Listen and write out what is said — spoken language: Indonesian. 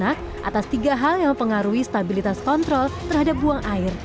anak atas tiga hal yang mempengaruhi stabilitas kontrol terhadap buang air